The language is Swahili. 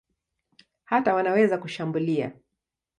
Hata wanaweza kushambulia.